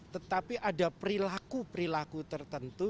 tetapi ada perilaku perilaku tertentu